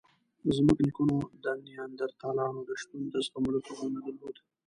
زموږ نیکونو د نیاندرتالانو د شتون د زغملو توان نه درلود.